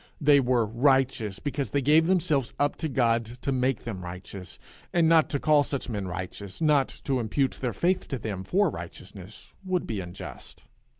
They were righteous because they gave themselves up to God to make them righteous; and not to call such men righteous, not to impute their faith to them for righteousness, would be unjust.